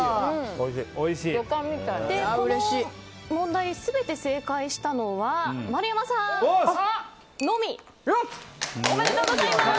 この問題全て正解したのは丸山さんのみ。おめでとうございます！